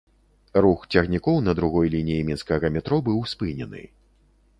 Рух цягнікоў на другой лініі мінскага метро быў спынены.